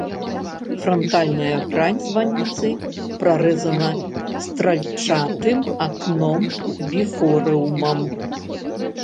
Франтальная грань званіцы прарэзана стральчатым акном-біфорыумам.